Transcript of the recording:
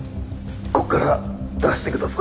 ここから出してください。